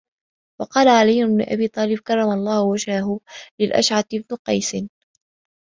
وَقَالَ عَلِيُّ بْنُ أَبِي طَالِبٍ كَرَّمَ اللَّهُ وَجْهَهُ لِلْأَشْعَثِ بْنِ قَيْسٍ